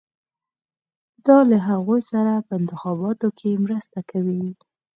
دا له هغوی سره په انتخاباتو کې مرسته کوي.